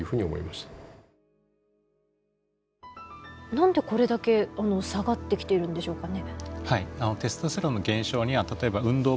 何でこれだけ下がってきているんでしょうかね？